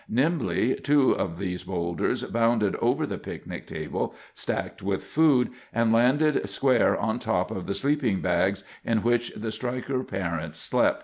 Nimbly, two of these boulders bounded over the picnic table, stacked with food, and landed squarely on top of the sleeping bags in which the Stryker parents slept.